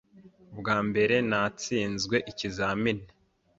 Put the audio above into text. Ubwa mbere, natsinzwe ikizamini.